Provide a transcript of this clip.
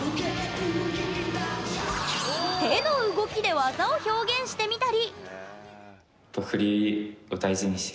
手の動きで技を表現してみたり。